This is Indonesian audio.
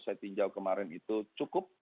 saya tinjau kemarin itu cukup